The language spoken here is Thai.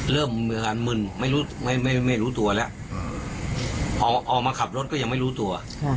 เริ่มมีอาการมึนไม่รู้ไม่รู้ตัวแล้วพอออกมาขับรถก็ยังไม่รู้ตัว